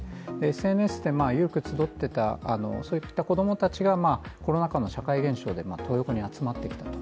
ＳＮＳでよく募ってたそういった子供たちがコロナ禍の社会現象でトー横に集まってきたと。